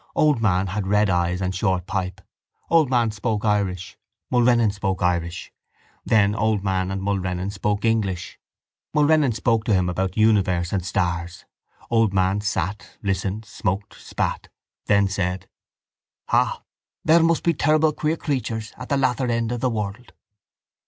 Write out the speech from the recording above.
Old man had red eyes and short pipe. Old man spoke Irish. Mulrennan spoke Irish. Then old man and Mulrennan spoke English. Mulrennan spoke to him about universe and stars. Old man sat, listened, smoked, spat. Then said: —Ah, there must be terrible queer creatures at the latter end of the world.